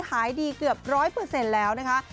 หายดีเกือบ๑๐๐แล้วนะคะ